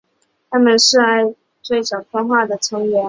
它们是艾什欧鲸科最早分化的成员。